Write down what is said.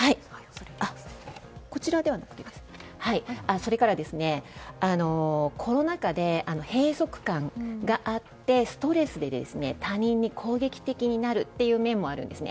それから、コロナ禍で閉塞感があってストレスで他人に攻撃的になるという面もあるんですね。